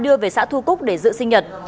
đưa về xã thu cúc để giữ sinh nhật